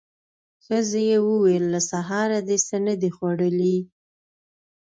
ښځې وويل: له سهاره دې څه نه دي خوړلي.